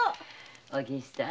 お銀さん。